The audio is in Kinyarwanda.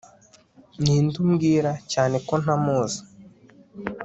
Ninde umbwira cyane ko ntamuzi